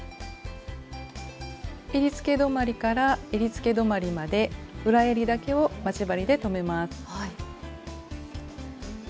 えりつけ止まりからえりつけ止まりまで裏えりだけを待ち針で留めます。